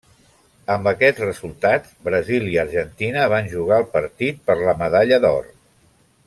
Amb aquests resultats, Brasil i Argentina van jugar el partit per la medalla d'or.